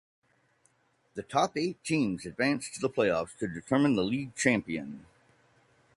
The top eight teams advance to the playoffs to determine the league champion.